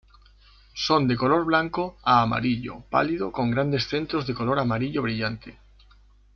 Son de color blanco a amarillo pálido con grandes centros de color amarillo brillante.